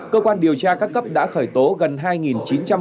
cơ quan điều tra các cấp đã khởi tố gần hai vụ xâm hại tình dục trẻ em